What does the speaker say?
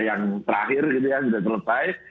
yang terakhir gitu ya sudah selesai